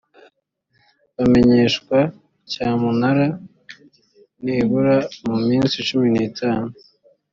bamenyeshwa cyamunara nibura mu minsi cumi n’itanu